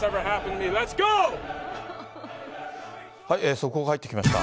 速報が入ってきました。